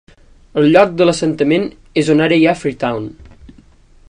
El lloc de l'assentament és on ara hi ha Freetown.